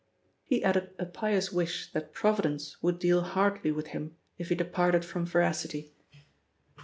He added a pious wish that Providence would deal hardly with him if he departed from veracity.